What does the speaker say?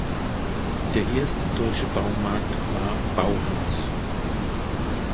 Der erste deutsche Baumarkt war Bauhaus.